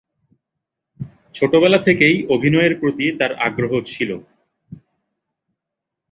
ছোটবেলা থেকেই অভিনয়ের প্রতি তার আগ্রহ ছিল।